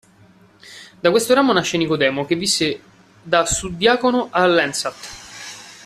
Da questo ramo nasce Nicodemo, che visse da suddiacono a Landshut.